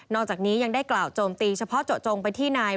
จากนี้ยังได้กล่าวโจมตีเฉพาะเจาะจงไปที่นาย